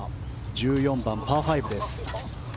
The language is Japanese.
１４番、パー５です。